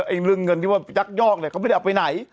เรื่องเงินที่ว่ายักยอกเนี่ยเขาไม่ได้เอาไปไหน